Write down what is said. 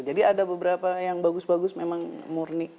jadi ada beberapa yang bagus bagus memang murni